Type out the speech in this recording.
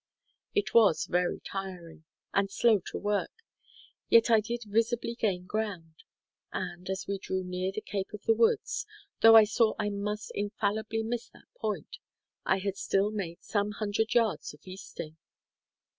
It was very tiring, and slow to work, yet I did visibly gain ground; and, as we drew near the Cape of the Woods, though I saw I must infallibly miss that point, I had still made some hundred yards of easting.